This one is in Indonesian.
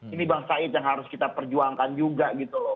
ini bang said yang harus kita perjuangkan juga gitu loh